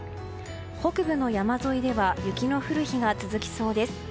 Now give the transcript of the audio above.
北部の山沿いでは雪の降る日が続きそうです。